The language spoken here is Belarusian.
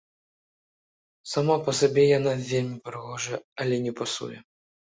Сама па сабе яна вельмі прыгожая, але не пасуе.